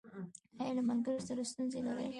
ایا له ملګرو سره ستونزې لرئ؟